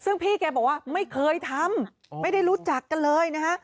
ซึ่งพี่แกบอกว่าไม่เคยทำไม่ได้รู้จักกันเลยนะฮะ